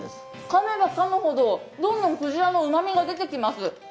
かめばかむほど、どんどん鯨のうまみが出てきます。